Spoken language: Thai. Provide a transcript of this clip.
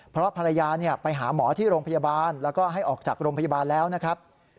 เพราะภรรยาไปหาหมอที่โรงพยาบาลแล้วก็ให้ออกจากโรงพยาบาลแล้วนะครับ